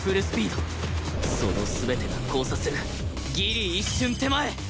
その全てが交差するギリ一瞬手前！